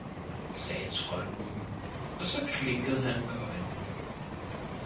sagde troldgubben og så klinkede han med øjnene.